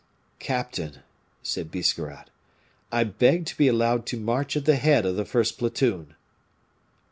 "Captain," said Biscarrat, "I beg to be allowed to march at the head of the first platoon."